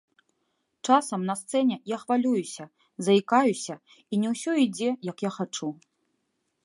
Часам на сцэне я хвалююся, заікаюся і не ўсё ідзе, як я хачу.